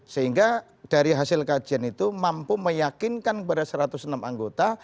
sehingga dari hasil kajian itu mampu meyakinkan kepada satu ratus enam anggota